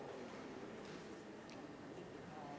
กรรมการท่านที่ห้าได้แก่กรรมการใหม่เลขเก้า